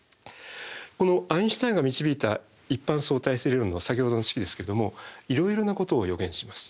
このアインシュタインが導いた一般相対性理論の先ほどの式ですけどもいろいろなことを予言します。